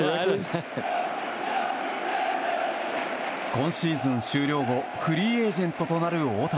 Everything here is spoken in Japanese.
今シーズン終了後フリーエージェントとなる大谷。